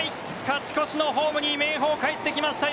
勝ち越しのホームに明豊、帰ってきました。